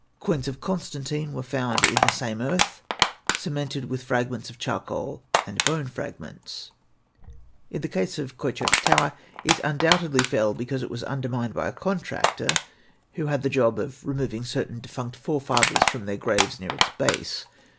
Coins of Constantine were found in the same earth, cemented with fragments of charcoal and bone ornaments. In the case of Coychurch tower, it undoubtedly fell because it was undermined by a contractor who had the job of removing certain defunct forefathers from their graves near its base.